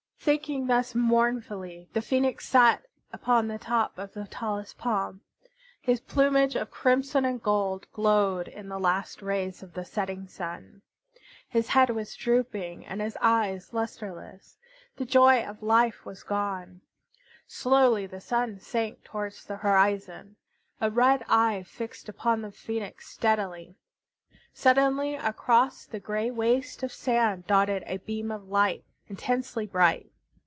Thinking thus mournfully, the Phoenix sat upon the top of the tallest palm. His plumage of crimson and gold glowed in the last rays of the setting sun. His head was drooping, and his eye lustreless. The joy of life was gone. Slowly the Sun sank towards the horizon, a red eye fixed upon the Phoenix steadily. Suddenly across the gray waste of sand dotted a beam of light, intensely bright.